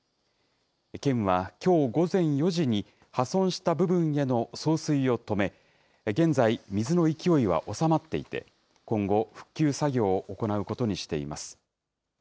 県はきょう午前４時に破損した部分への送水を止め、現在、水の勢いは収まっていて、今後、復旧作業を行うことにしています。